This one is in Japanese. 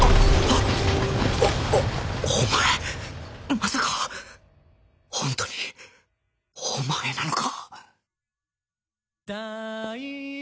まさか本当にお前なのか！？